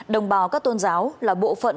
đồng bào các tôn giáo là bộ phận